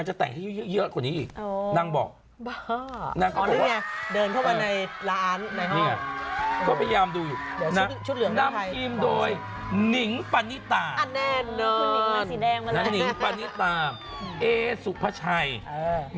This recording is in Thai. อ่าแน่นอนคุณนิ้งมาสีแดงมาเลยน้าหนิ้งปรณิตาเอซูพระชัยเออ